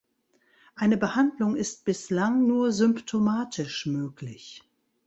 Eine Behandlung ist bislang nur symptomatisch möglich.